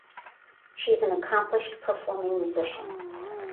She is an accomplished performing musician.